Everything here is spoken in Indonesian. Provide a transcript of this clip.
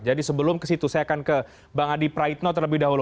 sebelum ke situ saya akan ke bang adi praitno terlebih dahulu